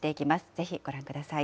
ぜひご覧ください。